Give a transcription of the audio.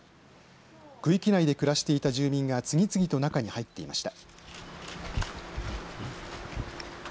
区域内で暮らしていた住民が次々と中に入っていました。